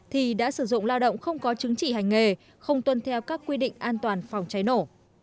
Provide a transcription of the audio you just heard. thì đã sử dụng lao động không có chứng chỉ hành nghề không tuân theo các quy định an toàn phòng cháy nổ